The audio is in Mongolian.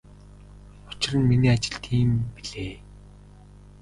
Учир нь миний ажил тийм билээ.